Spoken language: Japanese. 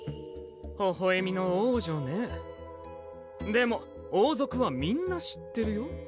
微笑みの王女ねでも王族はみんな知ってるよ